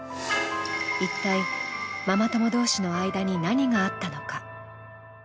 一体、ママ友同士の間に何があったのか？